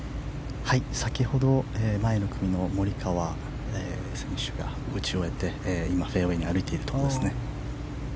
先ほど、前の組のモリカワ選手が打ち終えて今、フェアウェーに歩いているところですね。